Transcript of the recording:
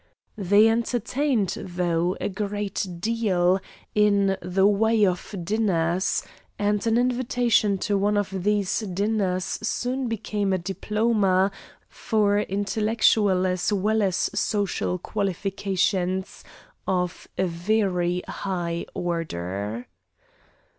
They entertained, though, a great deal, in the way of dinners, and an invitation to one of these dinners soon became a diploma for intellectual as well as social qualifications of a very high order.